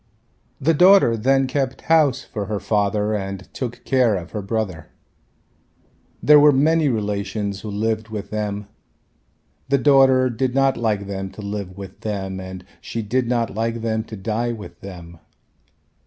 The daughter then kept house for her father and took care of her brother. There were many relations who lived with them. The daughter did not like them to live with them and she did not like them to die with them.